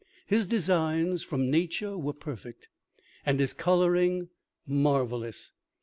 His designs from nature were perfect, and his coloring marvellous.